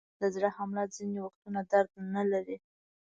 د زړه حمله ځینې وختونه درد نلري.